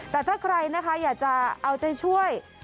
แต่ถ้าใครนะคะอยากจะเอาใจช่วย